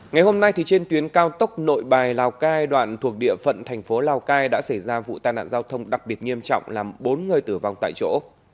ngày hôm nay trên tuyến cao tốc nội bài lào cai đoạn thuộc địa phận thành phố lào cai đã xảy ra vụ tai nạn giao thông đặc biệt nghiêm trọng làm bốn người tử vong tại chỗ